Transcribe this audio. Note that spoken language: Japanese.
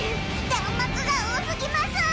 弾幕が多過ぎます！